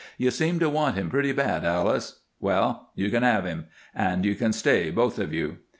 "You seem to want him pretty bad, Alice. Well, you can have him. And you can stay, both of you."